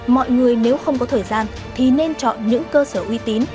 mọi người nếu không có thời gian thì nên chọn những cơ sở uy tín